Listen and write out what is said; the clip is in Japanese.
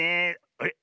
あれ？